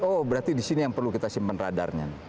oh berarti disini yang perlu kita simpen radarnya